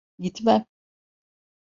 Gitmem.